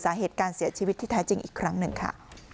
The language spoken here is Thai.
สาเหตุการเสียชีวิตที่แท้จริงอีกครั้งหนึ่งค่ะ